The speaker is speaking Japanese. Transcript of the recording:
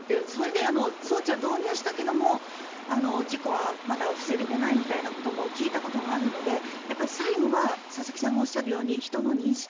だから、装置は導入したけども事故はまだ防げてないみたいなことも聞いたことがあるのでやっぱり最後は佐々木さんがおっしゃるように人の認識。